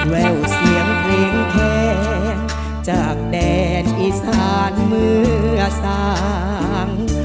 แววเสียงเพลงแค่จากแดดอีสานเมื่อสาง